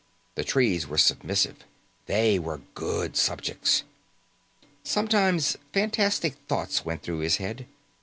The trees were submissive, they were good subjects. Sometimes, fantastic thoughts went through his head.